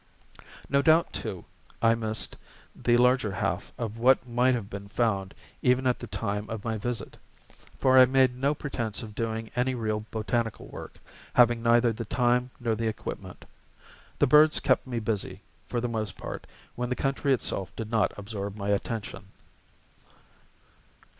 No doubt, too, I missed the larger half of what might have been found even at the time of my visit; for I made no pretense of doing any real botanical work, having neither the time nor the equipment. The birds kept me busy, for the most part, when the country itself did not absorb my attention.